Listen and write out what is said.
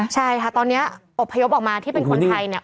ใช่ค่ะตอนนี้อบพยพออกมาที่เป็นคนไทยเนี่ย